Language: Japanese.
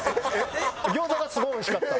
餃子がすごいおいしかった。